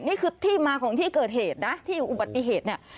นี่คือที่มาของที่เกิดเหตุนะที่อุบัติเหตุเนี่ย